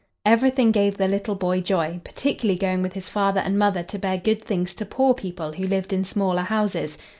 Everything gave the little boy joy, particularly going with his father and mother to bear good things to poor people who lived in smaller houses.